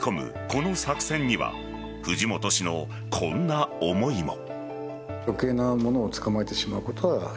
この作戦には藤本氏のこんな思いも。